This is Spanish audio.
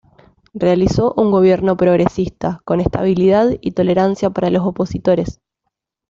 Realizó un gobierno progresista, con estabilidad y tolerancia para los opositores.